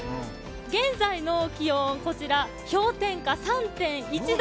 現在の気温、氷点下３．１度。